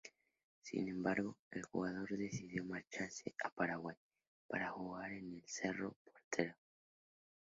Sin embargo, el jugador decidió marcharse a Paraguay para jugar con el Cerro Porteño.